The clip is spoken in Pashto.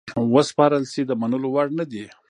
وسپارل سي د منلو وړ نه دي.